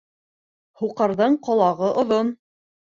Һуҡырҙың ҡолағы оҙон.